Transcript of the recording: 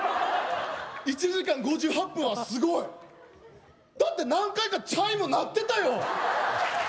１時間５８分はすごいだって何回かチャイム鳴ってたよ